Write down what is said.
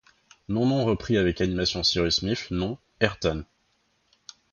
Non non reprit avec animation Cyrus Smith, non, Ayrton